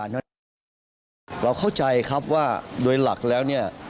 เราเข้าใจครับว่าโดยหลักแล้วเนี่ย